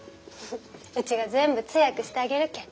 うちが全部通訳してあげるけん。